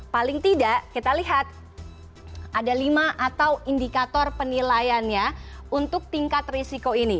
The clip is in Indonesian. paling tidak kita lihat ada lima atau indikator penilaiannya untuk tingkat risiko ini